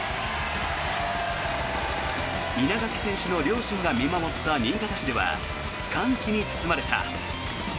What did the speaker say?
稲垣選手の両親が見守った新潟市では歓喜に包まれた。